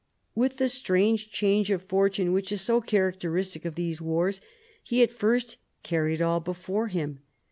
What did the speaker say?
With the strange change of fortune which is so characteristic of these wars, he at first carried all before him.